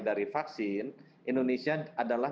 dari vaksin indonesia adalah